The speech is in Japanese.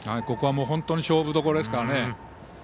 ここは本当に勝負どころですからね。